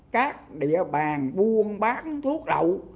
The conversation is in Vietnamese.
các địa bàn buôn bán thuốc lậu